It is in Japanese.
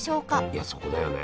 いやそこだよね。